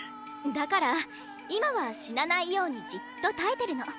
だから今は死なないようにじっと耐えてるの。